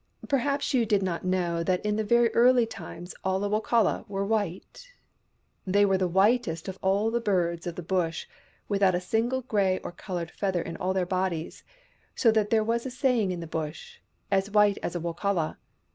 Perhaps you did not know that in the very early THE BURNING OF THE CROWS 197 times all the Wokala were white ? They were the whitest of all the birds of the Bush, without a single grey or coloured feather in all their bodies : so that there was a saying in the Bush, " As white as a Wokala."